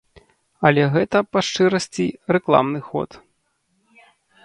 Але гэта, па шчырасці, рэкламны ход.